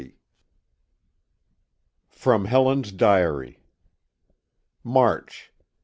XXX. [From Helen's Diary.] _March,